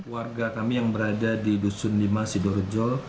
warga kami yang berada di dusun nima sidor jol